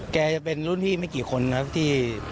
จะเป็นรุ่นพี่ไม่กี่คนนะครับที่